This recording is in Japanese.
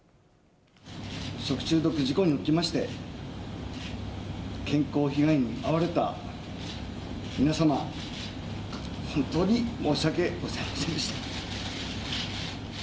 食中毒事故におきまして、健康被害に遭われた皆様、本当に申し訳ございませんでした。